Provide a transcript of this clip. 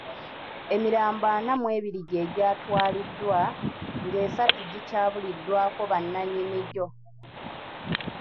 Emirambo ana mu ebiri gye gyatwaliddwa, ng'esatu gikyabuliddwako bannyini gyo.